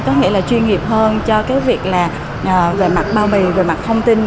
có nghĩa là chuyên nghiệp hơn cho cái việc là về mặt bao bì về mặt thông tin